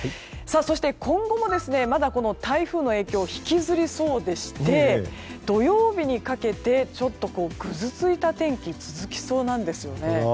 そして今後もまだ台風の影響引きずりそうでして土曜日にかけてちょっとぐずついた天気が続きそうなんですね。